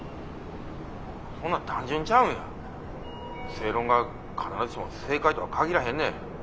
正論が必ずしも正解とは限らへんねん。